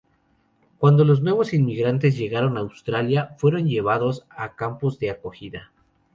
Cuando los nuevos inmigrantes llegaron a Australia, fueron llevados a campos de acogida.